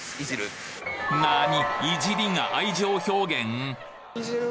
なに！？